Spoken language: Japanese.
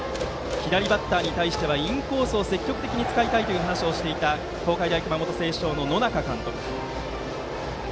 左バッターに対してはインコースを積極的に使いたいという話をしていた東海大熊本星翔の野仲監督。